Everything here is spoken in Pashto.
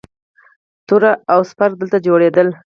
توره او سپر دلته جوړیدل